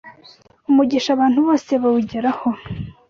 umugisha abantu bose bawugeraho